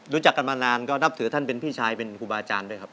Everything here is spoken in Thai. รู้จักกันมานานก็นับถือท่านเป็นพี่ชายเป็นครูบาอาจารย์ด้วยครับ